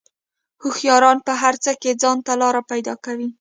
هوښیاران په هر څه کې ځان ته لار پیدا کوي.